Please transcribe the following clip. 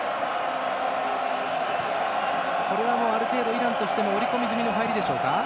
これはある程度イランとしても織り込み済みの入りでしょうか。